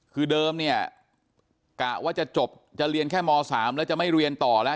คือเดิมเนี่ยกะว่าจะจบจะเรียนแค่ม๓แล้วจะไม่เรียนต่อแล้ว